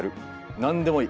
何でもいい。